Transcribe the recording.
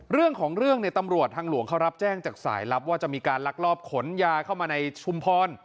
เรื่องของเรื่องเนี่ยตำรวจทางหลวงเขารับแจ้งจากสายลับว่าจะมีการลักลอบขนยาเข้ามาในชุมพร